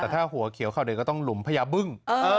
แต่หัวเขียวเขาเดือก็ลุมพญาบึ้ง